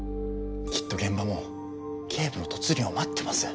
きっと現場も警部の突入を待ってます。